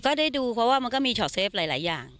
ได้ดูเพราะว่ามันก็มีช็อตเซฟหลายอย่าง